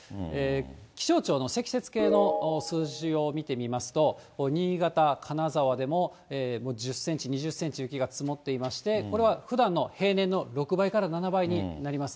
気象庁の積雪計の数字を見てみますと、新潟、金沢でも１０センチ、２０センチ雪が積もっていまして、これはふだんの平年の６倍から７倍になります。